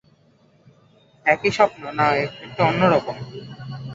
একই স্বপ্ন, না একটু অন্য রকম?